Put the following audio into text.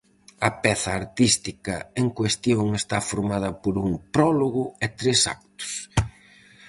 A peza artística en cuestión está formada por un prólogo e tres actos.